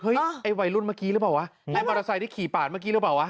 ไอ้วัยรุ่นเมื่อกี้หรือเปล่าวะไอ้มอเตอร์ไซค์ที่ขี่ปาดเมื่อกี้หรือเปล่าวะ